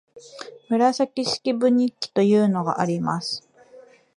「紫式部日記」というのがあります